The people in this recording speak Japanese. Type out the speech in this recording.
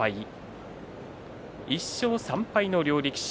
１勝３敗の両力士。